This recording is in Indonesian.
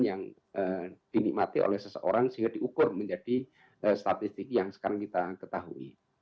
yang dinikmati oleh seseorang sehingga diukur menjadi statistik yang sekarang kita ketahui